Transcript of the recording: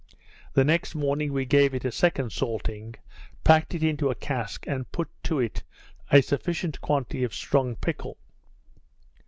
The next morning we gave it a second salting, packed it into a cask, and put to it a sufficient quantity of strong pickle.